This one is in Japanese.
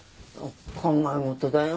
考え事だよ。